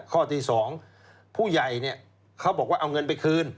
ข้อที่๒ผู้ใหญ่เนี่ยเขาบอกว่าเอาเงินไปคืน